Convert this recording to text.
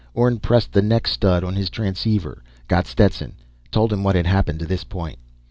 Orne pressed the neck stud on his transceiver, got Stetson, told him what had happened to this point.